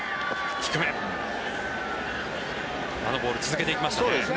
低め、あのボールを続けていきましたね。